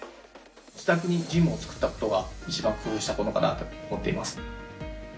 自宅にジムを作ったことが一番工夫したことかなと思っています。